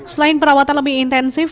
selain perawatan lebih intensif